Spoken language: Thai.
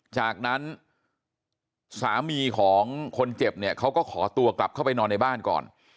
จากนั้นสามีของคนเจ็บเนี่ยเขาก็ขอตัวกลับเข้าไปนอนในบ้านก่อน